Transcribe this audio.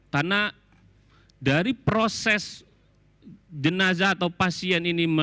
karena dari proses jenazah atau pasien ini